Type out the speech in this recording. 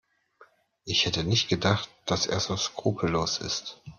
Ich hätte nicht gedacht, dass er so skrupellos ist.